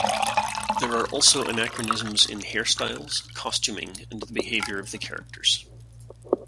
There are also anachronisms in hairstyles, costuming, and the behavior of the characters.